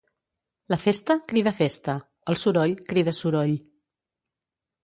La festa crida festa, el soroll crida soroll